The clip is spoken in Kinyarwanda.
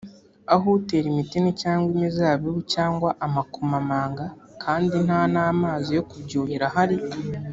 aho utera imitini cyangwa imizabibu cyangwa amakomamanga kandi nta n’amazi yo kubyuhira ahari